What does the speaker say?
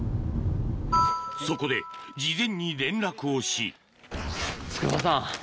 そこで事前に連絡をし筑波山。